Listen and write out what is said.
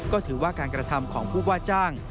ก็ถือว่าการกระทำของผู้ว่าจ้าง